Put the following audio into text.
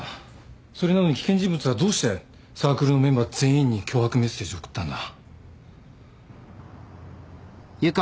それなのに危険人物はどうしてサークルのメンバー全員に脅迫メッセージを送ったんだ？